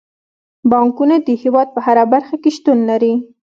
بانکونه د هیواد په هره برخه کې شتون لري.